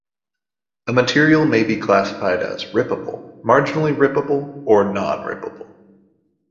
A material may be classified as rippable, marginally rippable or non-rippable.